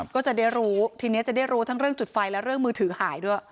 ก็จะได้รู้ทีนี้จะได้รู้ทั้งเรื่องจุดไฟและเรื่องมือถือหายด้วย